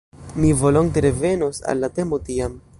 Mi volonte revenos al la temo tiam.